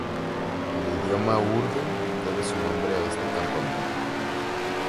El idioma Urdu debe su nombre a este campamento.